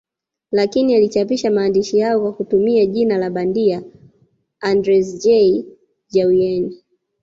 Lakini alichapisha maandishi hayo kwa kutumia jina la bandia Andrzej Jawien